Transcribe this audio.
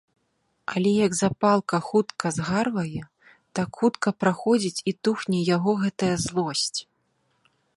Але як запалка хутка згарвае, так хутка праходзіць і тухне яго гэтая злосць.